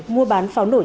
mua bán pháo nổi trang